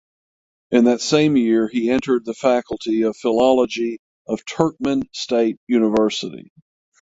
In that same year he entered the Faculty of Philology of Turkmen State University.